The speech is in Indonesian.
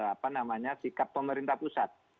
apa namanya sikap pemerintah pusat